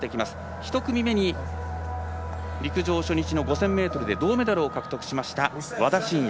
１組目に陸上初日の５０００ｍで銅メダルを獲得しました和田伸也。